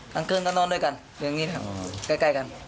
กลางคืนก็นอนด้วยกันอย่างนี้นะครับใกล้กัน